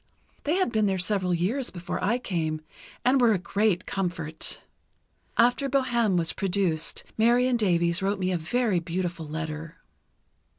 They had been there several years before I came, and were a great comfort. After 'Bohême' was produced, Marion Davies wrote me a very beautiful letter."